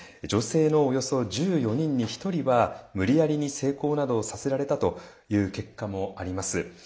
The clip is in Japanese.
女性のおよそ１４人に１人は無理やりに性交などをさせられたという結果もあります。